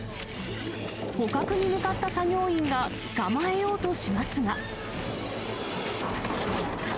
捕獲に向かった作業員が捕まえようとしますが。